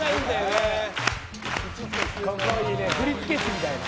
振付師みたいな。